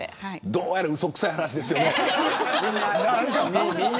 どうやらうそくさい話ですよ。